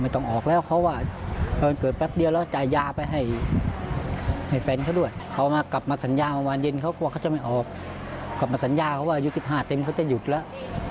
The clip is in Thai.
ที่ก็ได้กลับไปทำหมดทุกเรื่องเลย